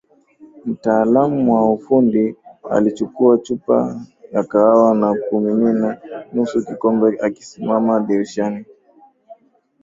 Mtaalamu wa ufundi alichukua chupa ya kahawa na kumimina nusu kikombe akasimama dirishani